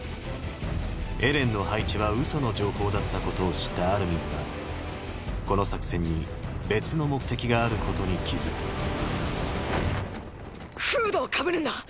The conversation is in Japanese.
エレンの配置はうその情報だったことを知ったアルミンはこの作戦に別の目的があることに気付くフードをかぶるんだ深く。